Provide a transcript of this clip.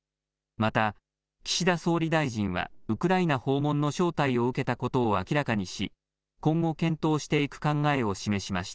また岸田総理大臣は、ウクライナ訪問の招待を受けたことを明らかにし、今後、検討していく考えを示しました。